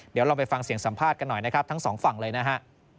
เดี๋ยวลองไปฟังเสียงสัมภาษณ์กันหน่อยนะครับทั้งสองฝั่งเลยนะฮะ